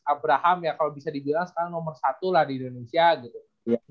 abraham ya kalau bisa dibilang sekarang nomor satu lah di indonesia gitu